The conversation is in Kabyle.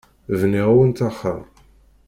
Bniɣ-awent axxam.